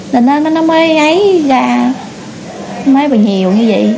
nên nó mới ấy ra mới bị nhiều như vậy